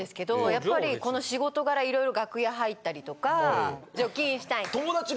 やっぱりこの仕事柄色々楽屋入ったりとか除菌したい。